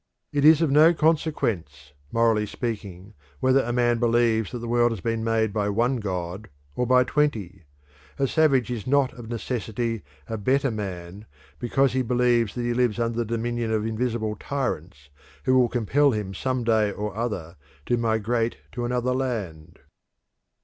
It is of no consequence, morally speaking, whether a man believes that the world has been made by one god or by twenty. A savage is not of necessity a better man because he believes that he lives under the dominion of invisible tyrants who will compel him some day or other to migrate to another land.